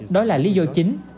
đó là lý do chính